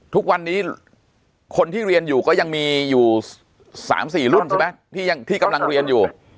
ทุกวันนี้คนที่เรียนอยู่ก็ยังมีอยู่๓๔รุ่นใช่ไหมที่กำลังเรียนอยู่